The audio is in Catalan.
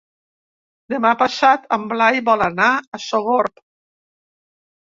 Demà passat en Blai vol anar a Sogorb.